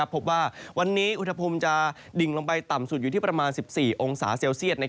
พบว่าวันนี้อุณหภูมิจะดิ่งลงไปต่ำสุดอยู่ที่ประมาณ๑๔องศาเซลเซียต